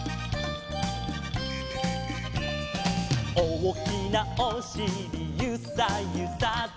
「おおきなおしりゆさゆさと」